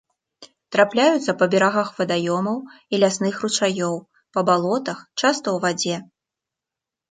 Трапляюцца па берагах вадаёмаў і лясных ручаёў, па балотах, часта ў вадзе.